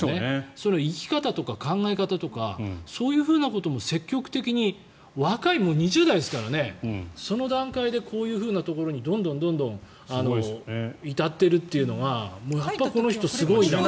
その生き方、考え方とかそういうふうなことも積極的にまだ若い、２０代ですからねその段階でこういうふうなところにどんどん至っているというのがやっぱりこの人すごいなと。